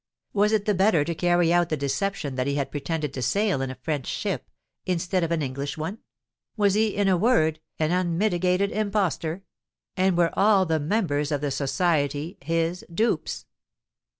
was it the better to carry out the deception that he had pretended to sail in a French ship, instead of an English one? was he, in a word, an unmitigated impostor? and were all the members of the Society his dupes?